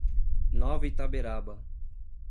Nova Itaberaba